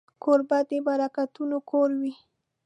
کوربه د برکتونو کور وي.